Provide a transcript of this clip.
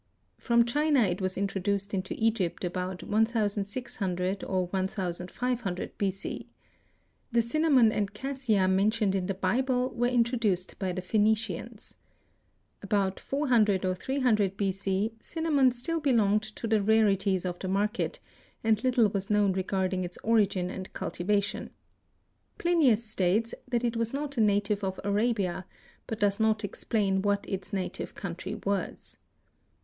From China it was introduced into Egypt about 1600 or 1500 B. C. The cinnamon and cassia mentioned in the Bible were introduced by the Phoenicians. About 400 or 300 B. C. cinnamon still belonged to the rarities of the market and little was known regarding its origin and cultivation. Plinius stated that it was not a native of Arabia, but does not explain what its native country was.